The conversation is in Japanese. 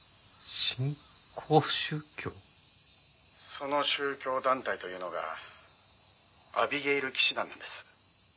「その宗教団体というのがアビゲイル騎士団なんです」